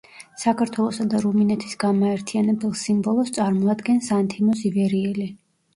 საქართველოსა და რუმინეთის გამაერთიანებელ სიმბოლოს წარმოადგენს ანთიმოზ ივერიელი.